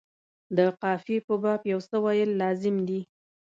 د قافیې په باب یو څه ویل لازم دي.